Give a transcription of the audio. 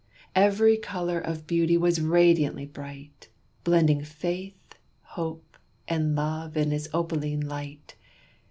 Every colour of beauty was radiantly bright, Blending faith, hope, and love in its opaline light.